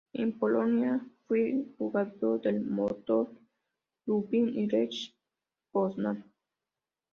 En Polonia fue jugador del Motor Lublin y Lech Poznań.